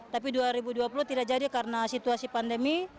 tapi dua ribu dua puluh tidak jadi karena situasi pandemi